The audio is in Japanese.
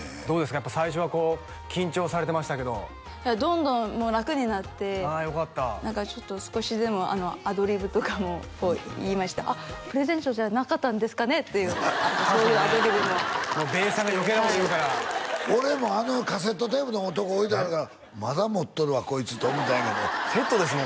やっぱ最初は緊張されてましたけどどんどんもう楽になってああよかった何かちょっと少しでもアドリブとかも言いました「あっプレゼントじゃなかったんですかね」っていうそういうアドリブもべーさんが余計なこと言うから俺もあのカセットテープのとこ置いてあるからまだ持っとるわこいつと思ったんやけどセットですもん